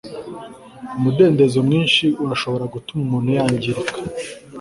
umudendezo mwinshi urashobora gutuma umuntu yangirika